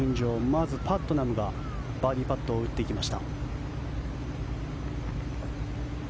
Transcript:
まずパットナムがバーディーパットを打っていきました。